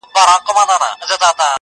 اوس عجيبه جهان كي ژوند كومه~